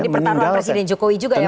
jadi pertarungan presiden jokowi juga ya